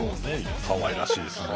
かわいらしいですね。